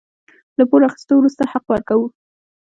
له پور اخيستو وروسته حق ورکوو.